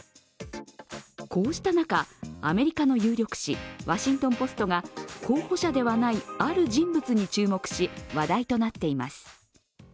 こうした中、アメリカの有力紙「ワシントン・ポスト」が候補者ではないある人物に注目し、話題となっています。